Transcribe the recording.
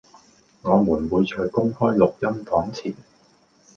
我們會在公開錄音檔前